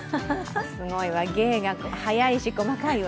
すごいわ、芸が早いし細かいわ。